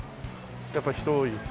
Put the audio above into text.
やっぱ人多い。